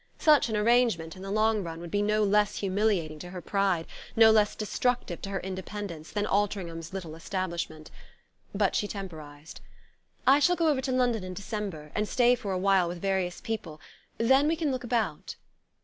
Such an arrangement, in the long run, would be no less humiliating to her pride, no less destructive to her independence, than Altringham's little establishment. But she temporized. "I shall go over to London in December, and stay for a while with various people then we can look about."